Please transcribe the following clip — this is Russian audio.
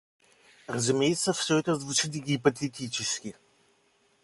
Разумеется, все это звучит гипотетически.